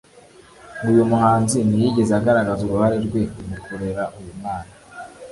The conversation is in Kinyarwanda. ngo uyu muhanzi ntiyigeze agaragaza uruhare rwe mukurera uyu mwana